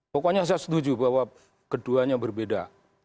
pokoknya saya setuju bahwa keduanya berbeda